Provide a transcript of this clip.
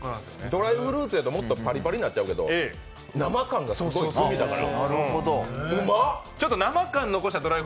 ドライフルーツやともっとパリパリになっちゃうけど生感がすごい、グミだから。